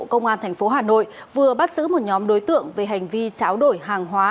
công an tp hà nội vừa bắt giữ một nhóm đối tượng về hành vi cháo đổi hàng hóa